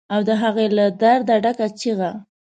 او د هغو له درده ډکه چیغه